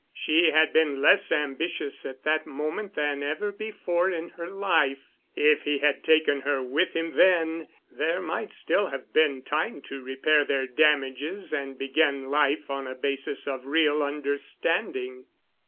She had been less ambitious at that moment than ever before in her life. If he had taken her with him then, there might still have been time to repair their damages and begin life on a basis of real understanding.